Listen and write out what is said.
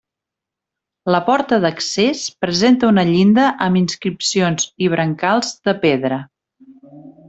La porta d'accés presenta una llinda amb inscripcions i brancals de pedra.